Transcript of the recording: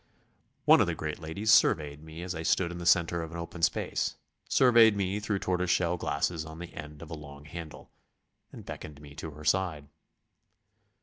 One of the great ladies surveyed me as I stood in the centre of an open space, surveyed me through tortoise shell glasses on the end of a long handle, and beckoned me to her side.